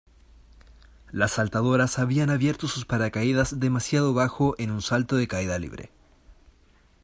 Las saltadoras habían abierto sus paracaídas demasiado bajo en un salto de caída libre.